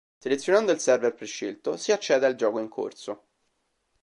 Selezionando il server prescelto, si accede al gioco in corso.